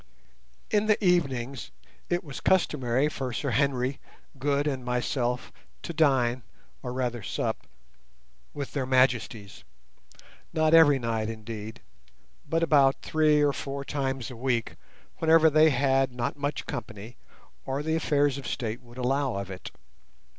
In the evenings it was customary for Sir Henry, Good, and myself to dine, or rather sup, with their Majesties—not every night, indeed, but about three or four times a week, whenever they had not much company, or the affairs of state would allow of it.